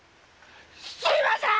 すいません！